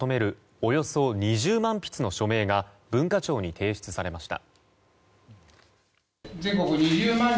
およそ２０万筆の署名が文化庁に提出されました。